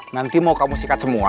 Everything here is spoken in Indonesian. nanti mau kamu sikat semua